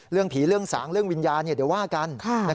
เรื่องผีเรื่องสางเรื่องวิญญาณเดี๋ยวว่ากัน